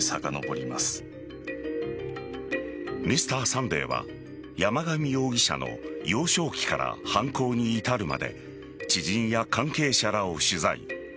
「Ｍｒ．サンデー」は山上容疑者の幼少期から犯行に至るまで知人や関係者らを取材。